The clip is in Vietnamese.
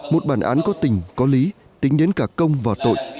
một bản án có tình có lý tính đến cả công và tội